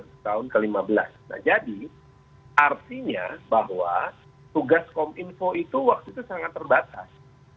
nah jadi artinya bahwa tugas kominfo itu waktu itu sangat terbatas